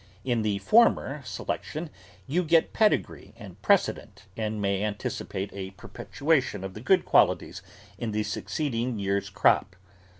In the former selec tion you get pedigree and precedent and may an ticipate a perpetuation of the good qualities in the succeeding year's crop.